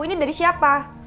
ini dari siapa